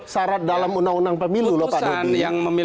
sarat dalam undang undang pemilu pak dodi